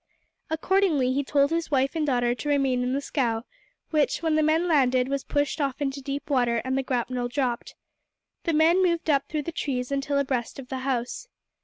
Accordingly he told his wife and daughter to remain in the scow, which, when the men landed, was pushed off into deep water and the grapnel dropped. The men moved up through the trees until abreast of the house.